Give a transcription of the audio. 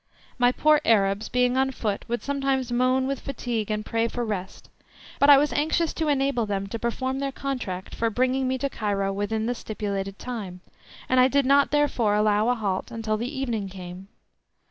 My poor Arabs, being on foot, would sometimes moan with fatigue and pray for rest; but I was anxious to enable them to perform their contract for bringing me to Cairo within the stipulated time, and I did not therefore allow a halt until the evening came.